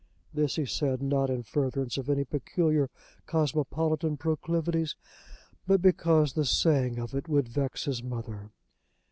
This he said, not in furtherance of any peculiar cosmopolitan proclivities, but because the saying of it would vex his mother.